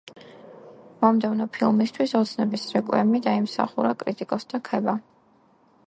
მომდევნო ფილმისთვის „ოცნების რეკვიემი“ დაიმსახურა კრიტიკოსთა ქება.